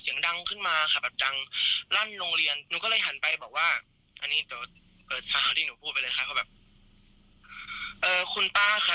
เออคุณป้าค่ะที่นี่สถานศึกษาเนอะ